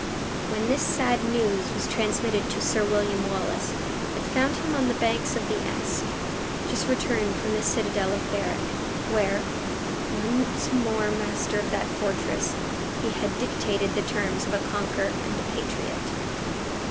When this sad news was transmitted to Sir William Wallace, it found him on the banks of the Eske, just returned from the citadel of Berwick, where, once more master of that fortress, he had dictated the terms of a conqueror and a patriot.